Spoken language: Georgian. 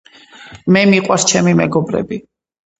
მე მიყვარს ჩემი მეგობრები